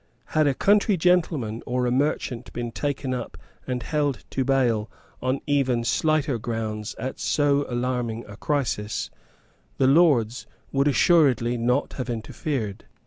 Had a country gentleman or a merchant been taken up and held to bail on even slighter grounds at so alarming a crisis, the Lords would assuredly not have interfered.